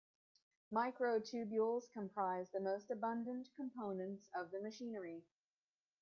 Microtubules comprise the most abundant components of the machinery.